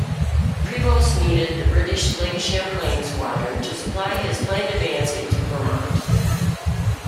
Prevost needed the British Lake Champlain squadron to supply his planned advance into Vermont.